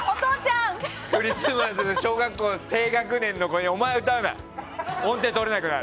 クリスマスで小学校低学年の子にお前は歌うな、音程とれなくなる。